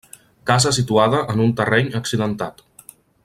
Casa situada en un terreny accidentat.